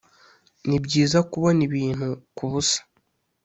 nibyiza kubona ibintu kubusa,